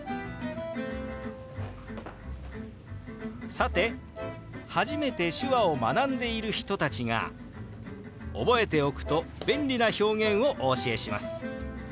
さて初めて手話を学んでいる人たちが覚えておくと便利な表現をお教えします。